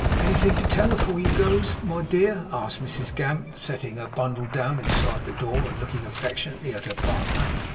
'Anythin' to tell afore you goes, my dear?' asked Mrs Gamp, setting her bundle down inside the door, and looking affectionately at her partner.